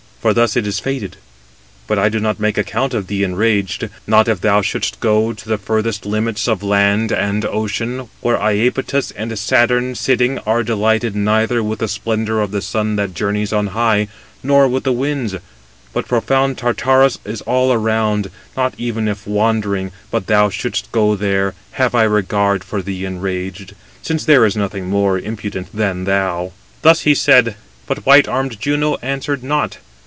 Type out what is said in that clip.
For thus is it fated. But I do not make account of thee enraged, not if thou shouldst go to the furthest limits of land and ocean, where Iapetus and Saturn sitting, are delighted neither with the splendour of the sun that journeys on high, nor with the winds; but profound Tartarus [is] all around—not even if wandering, thou shouldst go there, have I regard for thee enraged, since there is nothing more impudent than thou." Thus he said: but white armed Juno answered nought.